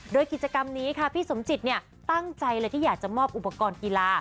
โดยกิจกรรมนี้ค่ะพี่สมจิตตั้งใจเลยที่อยากจะมอบอุปกรณ์กีฬา